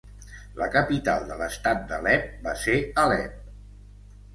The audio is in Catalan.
La capital de l'Estat d'Alep va ser Alep.